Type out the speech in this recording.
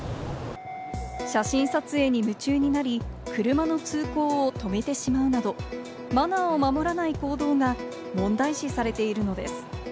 写真撮影に夢中になり、車の通行を止めてしまうなど、マナーを守らない行動が問題視されているのです。